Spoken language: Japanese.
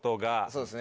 そうですね。